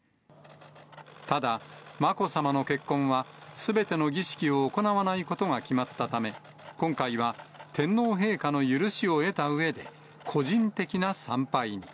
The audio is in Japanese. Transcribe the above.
ただ、まこさまの結婚はすべての儀式を行わないことが決まったため、今回は天皇陛下の許しを得たうえで、個人的な参拝に。